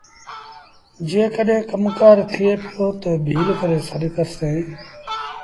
جيڪڏهين ڪم ڪآر ٿئي پيٚو تا ڀيٚل ڪري سڏ ڪرسيٚݩ